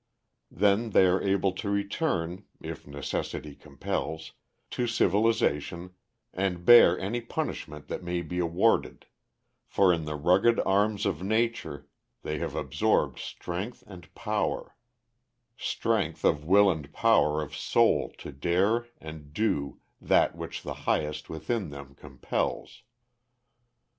Then they are able to return (if necessity compels) to civilization and bear any punishment that may be awarded, for in the rugged arms of Nature they have absorbed strength and power, strength of will and power of soul to dare and do that which the highest within them compels.